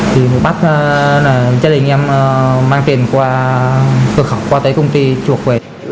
thì bắt gia đình em mang tiền qua cơ khẩu qua tới công ty chuộc về